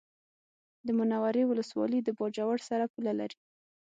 د منورې ولسوالي د باجوړ سره پوله لري